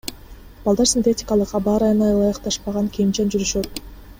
Балдар синтетикалык, аба ырайына ылайыкташпаган кийимчен жүрүшөт.